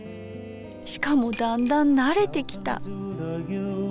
しかもだんだん慣れてきた。